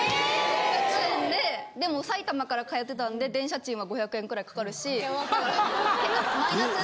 ６００円で埼玉から通ってたんで電車賃は５００円ぐらいかかるし。